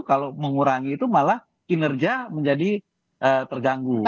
kalau mengurangi itu malah kinerja menjadi terganggu